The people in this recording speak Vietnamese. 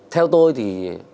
theo tôi thì